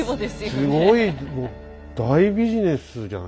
すごいもう大ビジネスじゃないですか。